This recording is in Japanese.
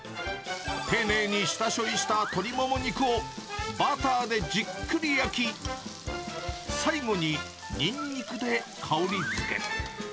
丁寧に下処理した鶏モモ肉を、バターでじっくり焼き、最後ににんにくで香りづけ。